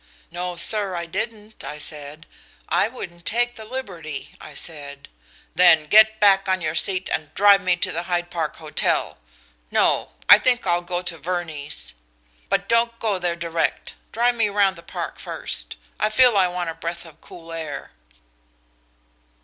'No, sir, I didn't,' I said. 'I wouldn't take the liberty,' I said. 'Then get back on your seat and drive me to the Hyde Park Hotel no, I think I'll go to Verney's. But don't go there direct. Drive me round the Park first. I feel I want a breath of cool air.'"